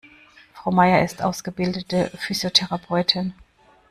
Frau Maier ist ausgebildete Physiotherapeutin.